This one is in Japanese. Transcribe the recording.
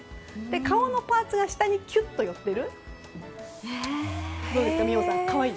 顔のパーツが下にキュッと寄っている。